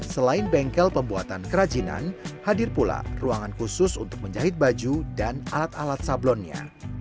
selain bengkel pembuatan kerajinan hadir pula ruangan khusus untuk menjahit baju dan alat alat sablonnya